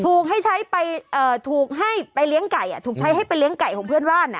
ถูกให้ใช้ไปถูกให้ไปเลี้ยงไก่ถูกใช้ให้ไปเลี้ยงไก่ของเพื่อนบ้าน